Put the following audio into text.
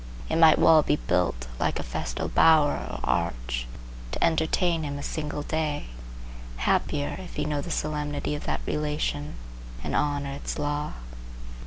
It might well be built, like a festal bower or arch, to entertain him a single day. Happier, if he know the solemnity of that relation and honor its law!